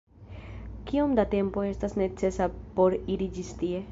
Kiom da tempo estas necesa por iri ĝis tie?